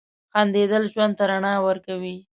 • خندېدل ژوند ته رڼا ورکوي.